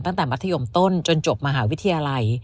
ตั้งแต่มัธยมต้นจนจบมหาวิทยาลัย